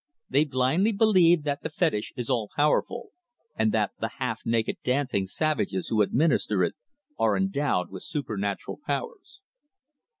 They blindly believe that the fetish is all powerful, and that the half naked dancing savages who administer it are endowed with supernatural powers.